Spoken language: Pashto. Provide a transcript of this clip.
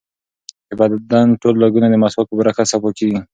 د بدن ټول رګونه د مسواک په برکت صفا کېږي.